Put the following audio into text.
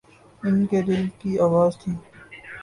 ان کے دل کی آواز تھی۔